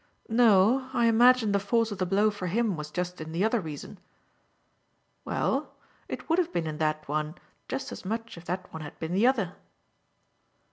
"No I imagine the force of the blow for him was just in the other reason." "Well, it would have been in that one just as much if that one had been the other."